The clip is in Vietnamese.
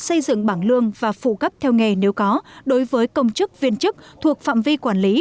xây dựng bảng lương và phụ cấp theo nghề nếu có đối với công chức viên chức thuộc phạm vi quản lý